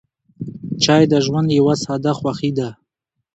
چای د ژوند یوه ساده خوښي ده.